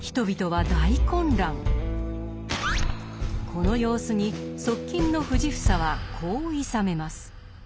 この様子に側近の藤房はこういさめます。